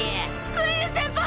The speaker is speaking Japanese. グエル先輩！